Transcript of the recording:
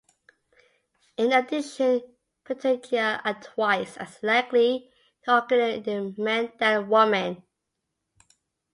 In addition, pterygia are twice as likely to occur in men than women.